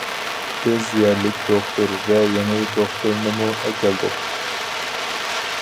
بىز يەرلىك دوختۇر ۋە يېڭى دوختۇرنىمۇ ئەكەلدۇق.